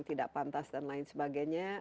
tidak pantas dan lain sebagainya